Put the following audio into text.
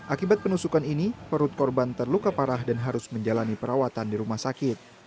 akibat penusukan ini perut korban terluka parah dan harus menjalani perawatan di rumah sakit